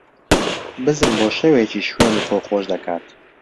بزن بۆ شەوێکیش شوێنی خۆی خۆش ئەکات